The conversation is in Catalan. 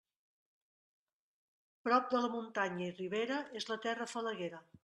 Prop de la muntanya i ribera, és la terra falaguera.